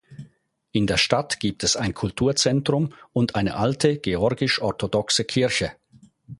In der Stadt gibt es ein Kulturzentrum und eine alte georgisch-orthodoxe Kirche.